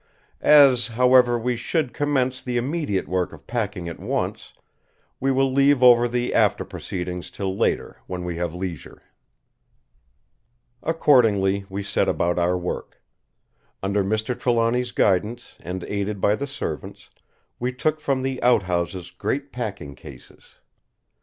"As, however, we should commence the immediate work of packing at once, we will leave over the after proceedings till later when we have leisure." Accordingly we set about our work. Under Mr. Trelawny's guidance, and aided by the servants, we took from the outhouses great packing cases.